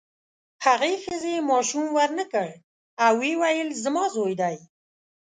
هغې ښځې ماشوم ورنکړ او ویې ویل زما زوی دی.